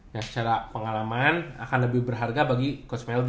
yang secara pengalaman akan lebih berharga bagi coach meldy